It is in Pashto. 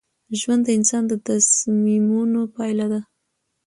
ژوند د انسان د تصمیمونو پایله ده.